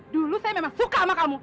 dulu saya memang suka sama kamu